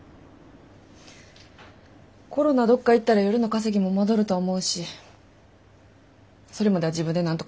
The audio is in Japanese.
コロナどっか行ったら夜の稼ぎも戻ると思うしそれまでは自分でなんとかする。